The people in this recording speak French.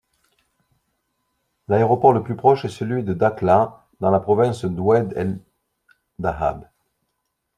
L'aéroport le plus proche est celui de Dakhla, dans la province d'Oued ed Dahab.